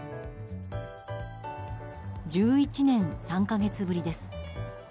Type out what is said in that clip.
１１年３か月ぶりです。